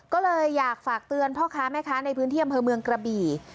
ก็เลยอยากฝากเตือนพ่อค้าแม่ค้าในพื้นที่อำเภอเมืองกระบี่